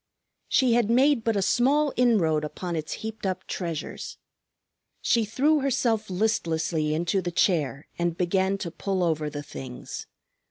She had made but a small inroad upon its heaped up treasures. She threw herself listlessly into the chair and began to pull over the things.